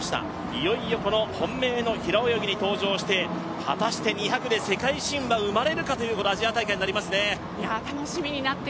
いよいよこの本命の平泳ぎに出場して、果たして２００で世界新は生まれるかというアジア大会になりますね。